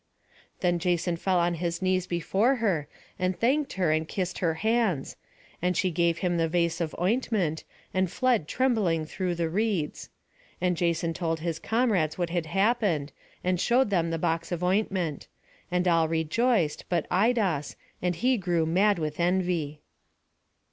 Then Jason fell on his knees before her, and thanked her and kissed her hands; and she gave him the vase of ointment, and fled trembling through the reeds. And Jason told his comrades what had happened, and showed them the box of ointment; and all rejoiced but Idas and he grew mad with envy.